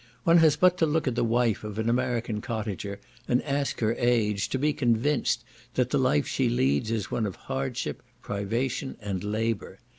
One has but to look at the wife of an American cottager, and ask her age, to be convinced that the life she leads is one of hardship, privation, and labour.